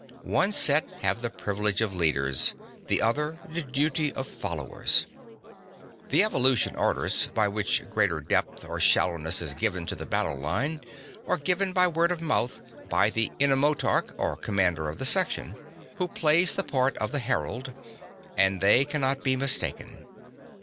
One set have the privilege of leaders, the other the duty of followers. The evolutional orders, (12) by which greater depth or shallowness is given to the battle line, are given by word of mouth by the enomotarch (or commander of the section), who plays the part of the herald, and they cannot be mistaken.